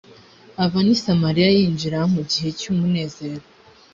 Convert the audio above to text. ava n’i samariya yinjira mu gihe cy’umunezero